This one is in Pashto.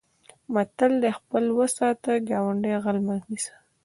متل دی: خپل و ساته ګاونډی غل مه نیسه.